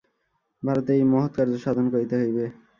ভারতে এই মহৎকার্য সাধন করিতে হইবে।